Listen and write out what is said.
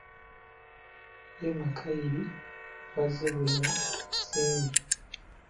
Ye Mikayiri Bazzebulala Nsimbi.